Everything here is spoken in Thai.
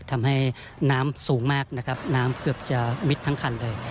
ทำให้น้ำสูงมากนะครับน้ำเกือบจะมิดทั้งคันเลย